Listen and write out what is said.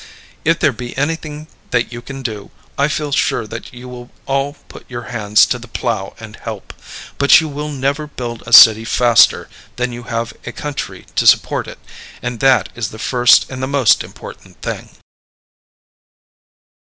If there be anything that you can do, I feel sure that you will all put your hands to the plow and help; but you will never build a city faster than you have a country to support it. And that is the first and the most important thing.